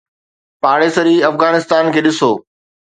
پاڙيسري افغانستان کي ڏسو.